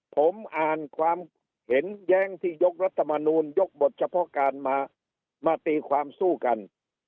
ผมอ่านความเห็นแย้งที่ยกรัฐมนูลยกบทเฉพาะการมามาตีความสู้กัน